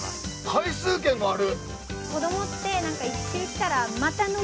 回数券がある！